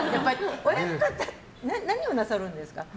親方、何をなさるんですか？